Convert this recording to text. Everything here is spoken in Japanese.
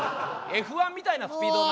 Ｆ１みたいなスピードだな。